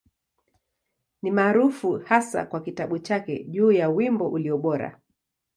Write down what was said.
Ni maarufu hasa kwa kitabu chake juu ya Wimbo Ulio Bora.